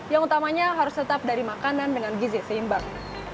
yang utamanya harus tetap dari makanan dengan gizi seimbang